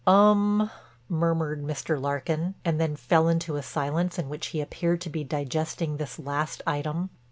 "Um," murmured Mr. Larkin and then fell into a silence in which he appeared to be digesting this last item.